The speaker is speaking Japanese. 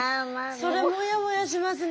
それもやもやしますね。